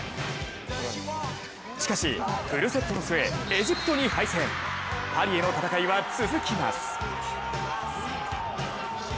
しかし、フルセットの末エジプトに敗戦パリへの戦いは続きます。